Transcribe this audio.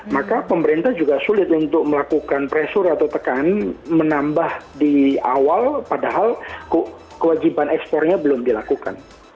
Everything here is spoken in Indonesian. maka pemerintah juga sulit untuk melakukan pressure atau tekan menambah di awal padahal kewajiban ekspornya belum dilakukan